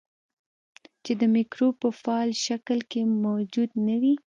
چې د مکروب په فعال شکل کې موجود نه وي.